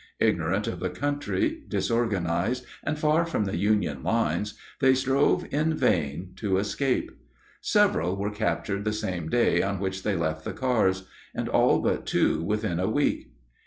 Ignorant of the country, disorganized, and far from the Union lines, they strove in vain to escape. Several were captured the same day on which they left the cars, and all but two within a week.